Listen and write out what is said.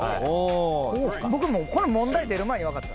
僕もう問題出る前に分かった。